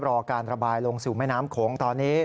รอการระบายลงสู่แม่น้ำโขงตอนนี้